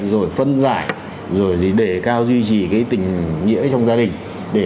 rồi phân giải rồi để cao duy trì cái tình nghĩa trong gia đình